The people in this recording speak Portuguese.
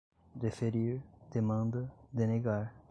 deferir, demanda, denegar